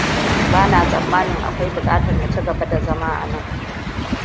Bana tsammanin akwai bukatar na ci gaba da zama anan.